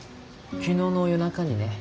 昨日の夜中にね。